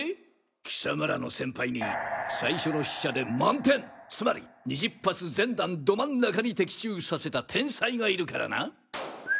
貴様らの先輩に最初の試射で満点つまり２０発全弾ド真ん中に的中させた天才がいるからな！